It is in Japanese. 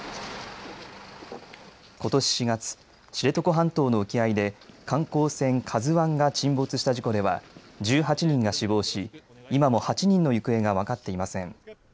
ことし４月、知床半島の沖合で観光船ＫＡＺＵＩが沈没した事故では１８人が死亡し今も８人の行方が分かっていません。